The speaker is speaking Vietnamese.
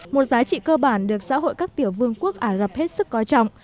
một giá trị cơ bản được xã hội các tiểu vương quốc ả rập hết sức coi trọng